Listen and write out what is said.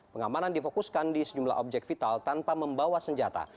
pengamanan difokuskan di sejumlah objek vital tanpa membawa senjata